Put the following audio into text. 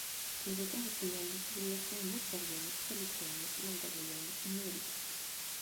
Les auteurs y signalent les civilisations moustérienne, solutréenne, magdalénienne et néolithique.